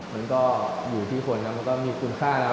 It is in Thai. มันก็อยู่ที่คนนะมันก็มีคุณค่าแล้ว